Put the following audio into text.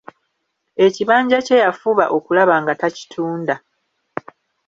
Ekibanja kye yafuba okulaba nga takitunda!